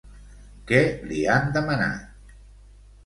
Què li han demanat?